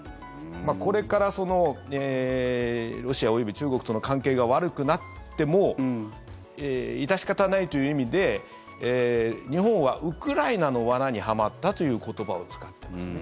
これからロシア及び中国との関係が悪くなっても致し方ないという意味で日本はウクライナの罠にはまったという言葉を使ってますね。